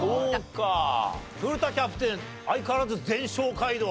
古田キャプテン相変わらず全勝街道。